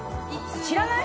知らない？